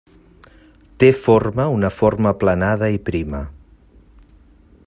Té forma una forma aplanada i prima.